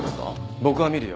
僕は見るよ。